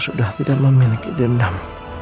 sudah tidak memiliki dendam